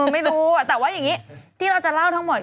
ไม่รู้แต่ว่าอย่างนี้ที่เราจะเล่าทั้งหมด